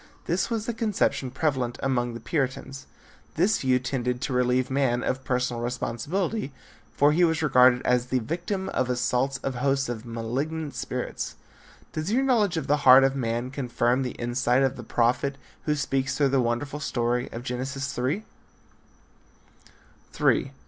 This was the conception prevalent among the Puritans. This view tended to relieve man of personal responsibility for he was regarded as the victim of assaults of hosts of malignant spirits. Does your knowledge of the heart of man confirm the insight of the prophet who speaks through the wonderful story of Genesis 3? III.